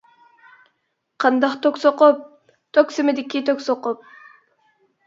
-قانداق توك سوقۇپ؟ -توك سىمىدىكى توك سوقۇپ.